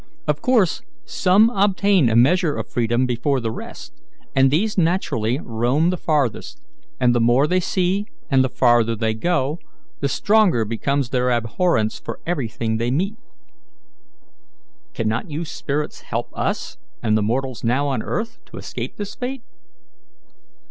Of course, some obtain a measure of freedom before the rest, and these naturally roam the farthest, and the more they see and the farther they go, the stronger becomes their abhorrence for everything they meet." "Cannot you spirits help us, and the mortals now on earth, to escape this fate?"